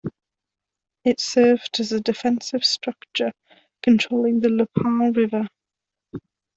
It served as a defensive structure controlling the Lupar River.